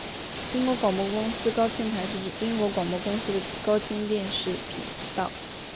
英国广播公司高清台是英国广播公司的高清电视频道。